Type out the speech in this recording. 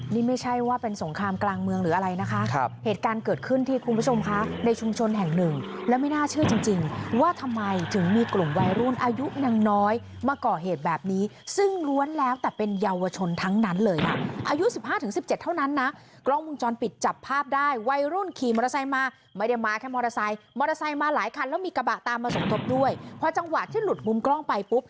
นี่ไม่ใช่ว่าเป็นสงครามกลางเมืองหรืออะไรนะครับเหตุการณ์เกิดขึ้นที่คุณผู้ชมค่ะในชุมชนแห่งหนึ่งและไม่น่าเชื่อจริงว่าทำไมถึงมีกลุ่มวัยรุ่นอายุนักน้อยมาก่อเหตุแบบนี้ซึ่งล้วนแล้วแต่เป็นเยาวชนทั้งนั้นเลยอ่ะอายุ๑๕๑๗เท่านั้นนะกล้องมุมจรปิดจับภาพได้วัยรุ่นขี่มอเตอร์ไซค์มาไม่ได